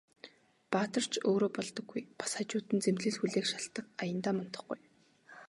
Баатар ч өөрөө болдоггүй, бас хажууд нь зэмлэл хүлээх шалтаг аяндаа мундахгүй.